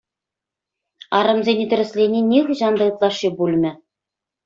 Арӑмсене тӗрӗслени нихӑҫан та ытлашши пулмӗ.